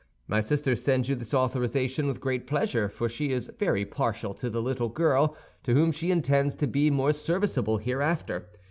My sister sends you this authorization with great pleasure, for she is very partial to the little girl, to whom she intends to be more serviceable hereafter.